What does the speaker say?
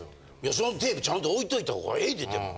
そのテープちゃんと置いといた方がええででも。